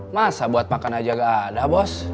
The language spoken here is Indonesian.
masa buat makan aja gak ada bos